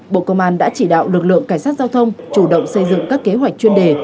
bộ công an đã chỉ đạo lực lượng cảnh sát giao thông chủ động xây dựng các kế hoạch chuyên đề